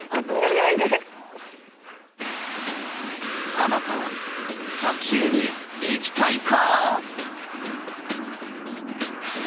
あなたは砂丘に行きたいか！？